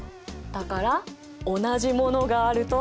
だから同じものがあると？